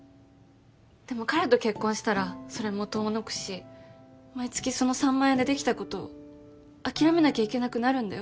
でも彼と結婚したらそれも遠のくし毎月その３万円でできたこと諦めなきゃいけなくなるんだよ。